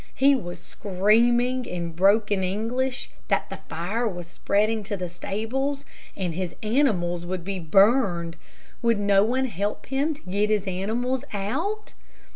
He was screaming, in broken English that the fire was spreading to the stables, and his animals would be burned. Would no one help him to get his animals out?